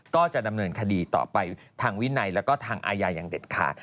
ก็จะดำเนินคดีต่อไปทางวินัยแล้วก็ทางอาญาอย่างเด็ดขาด